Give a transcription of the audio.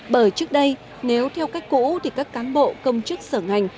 bởi trước đây nếu theo cách cũ thì các cán bộ công chức sở ngành